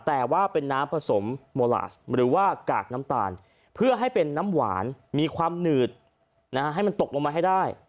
แต่ว่าเป็นน้ำผสมโมลาสหรือว่ากากน้ำตาลเพื่อให้เป็นน้ำหวานมีความหนืดให้มันตกลงมาให้ได้